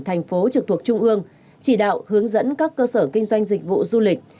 thành phố trực thuộc trung ương chỉ đạo hướng dẫn các cơ sở kinh doanh dịch vụ du lịch